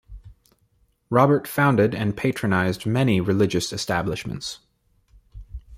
Robert founded and patronised many religious establishments.